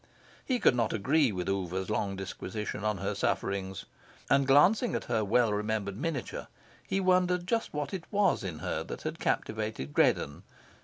He could not agree with Oover's long disquisition on her sufferings. And, glancing at her well remembered miniature, he wondered just what it was in her that had captivated Greddon.